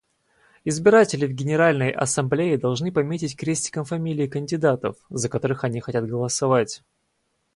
Избиратели в Генеральной Ассамблее должны пометить крестиком фамилии кандидатов, за которых они хотят голосовать.